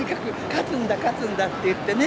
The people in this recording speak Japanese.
「勝つんだ勝つんだ」と言ってね。